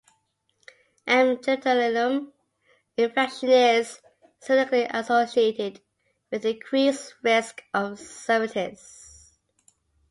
M. genitalium infection is significantly associated with increased risk of cervicitis.